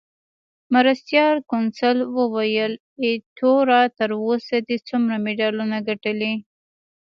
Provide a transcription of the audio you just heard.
مرستیال کونسل وویل: ایټوره، تر اوسه دې څومره مډالونه ګټلي؟